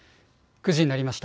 ９時になりました。